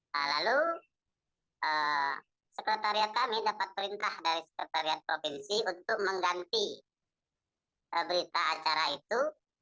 nah lalu sekretariat kami dapat perintah dari sekretariat provinsi untuk mengganti berita acara itu